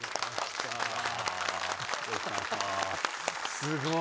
すごい